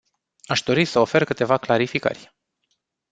Aș dori să ofer câteva clarificări.